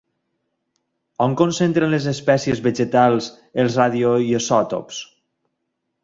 On concentren les espècies vegetals els radioisòtops?